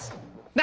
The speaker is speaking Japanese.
何？